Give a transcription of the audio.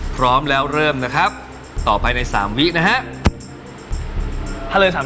พร้อมแล้วเริ่มต่อไปใน๓วิติ